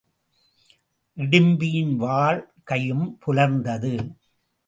இடிம்பியின் வாழ்க் கையும் புலர்ந்தது.